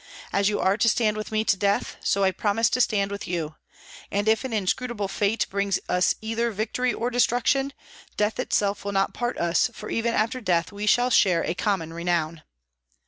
As you are to stand with me to death, so I promise to stand with you; and if an inscrutable fate brings us either victory or destruction, death itself will not part us, for even after death we shall share a common renown."